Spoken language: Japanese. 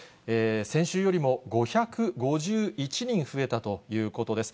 先週よりも５５１人増えたということです。